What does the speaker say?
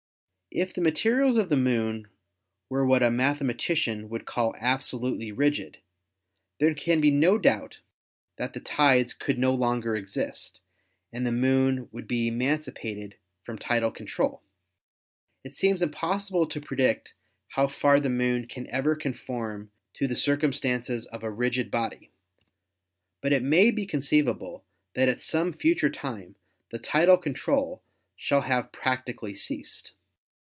If the materials of the Moon were what a mathematician would call absolutely rigid, there can be no doubt that the 174 ASTRONOMY tides could no longer exist, and the Moon would be eman cipated from tidal control. It seems impossible to predi cate how far the Moon can ever conform to the circum stances of a rigid body, but it may be conceivable that at some future time the tidal control shall have practically ceased.